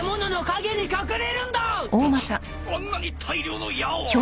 あんなに大量の矢を！